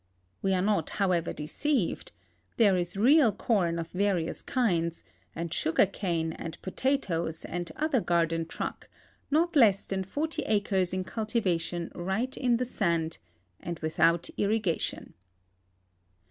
We are not, however, deceived ; tbere is real corn of various kinds, and sugar cane and potatoes and other garden truck, not less than 40 acres in cultivation right in the sand and without irrigation.